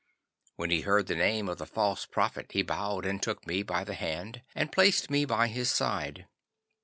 'When he heard the name of the false prophet, he bowed and took me by the hand, and placed me by his side.